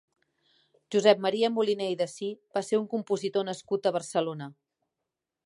Josep Maria Moliné i Dassí va ser un compositor nascut a Barcelona.